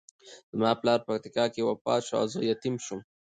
زما پلار په پکتیکا کې وفات شو او زه یتیم شوم.